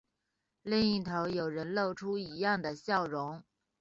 另一头有人露出一样的笑容